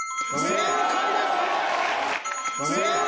正解です！